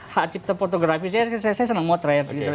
hak cipta fotografi saya senang mau trade gitu